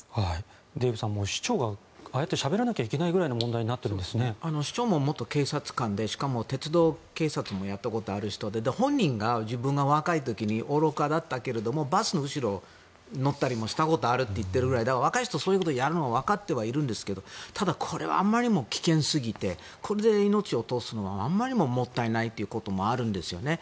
デーブさん市長がああやってしゃべらなきゃいけないぐらいの市長も元警察官でしかも鉄道警察もやったことがある人で本人が、自分若い時に愚かだったけどバスの後ろに乗ったりもしたことがあると言っているぐらい若い人がそういうことをやるのはわかっているんですがただこれはあまりにも危険すぎてこれで命を落とすのはあまりにももったいないということもあるんですよね。